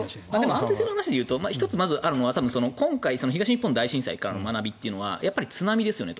安定性の話で言うと東日本大震災からの学びというのはやっぱり津波ですよね。